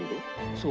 そう。